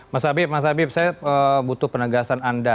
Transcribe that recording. mas habib saya butuh penegasan anda